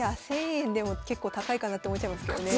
１，０００円でも結構高いかなって思っちゃいますけどね